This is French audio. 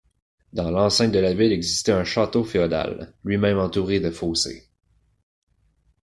Dans l'enceinte de la ville existait un château féodal, lui-même entouré de fossés.